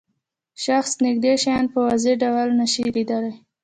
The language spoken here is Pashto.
شخص نږدې شیان په واضح ډول نشي لیدلای.